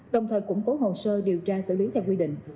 đồng thời củng cố hồ sơ điều tra xử lý theo quy định